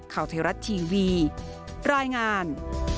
ข้าวเทราะห์ทีวีรายงาน